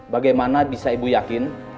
bagaimana bisa ibu yakin